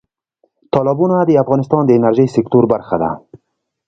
تالابونه د افغانستان د انرژۍ سکتور برخه ده.